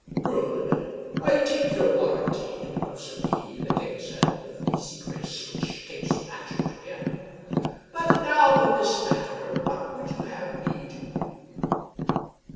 " Gk)od ! I take your warranty, Duke of Sully," the king said, with the easy grace which came so natural to him. *" But now in this matter what would you have me do?